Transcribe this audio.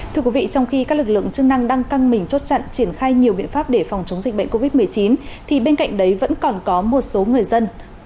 thưa quý vị trong khi các lực lượng chức năng đang căng mình chốt chặn triển khai nhiều biện pháp để phòng chống dịch bệnh covid một mươi chín thì bên cạnh đấy vẫn còn có một số người dân